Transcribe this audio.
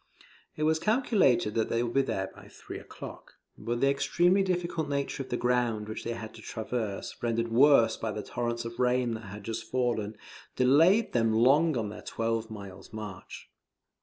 It was calculated that they would be there by three o'clock; but the extremely difficult nature of the ground which they had to traverse, rendered worse by the torrents of rain that had just fallen, delayed them long on their twelve miles' march.